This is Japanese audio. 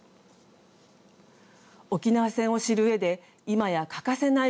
沖縄戦を知るうえで今や欠かせない